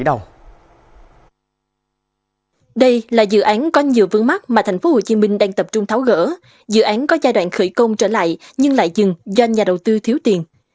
đây là dự án có nhiều vướng mắt mà thành phố hồ chí minh đang tập trung tháo gỡ dự án có giai đoạn khởi công trở lại nhưng lại dừng do nhà đầu tư thiếu tiền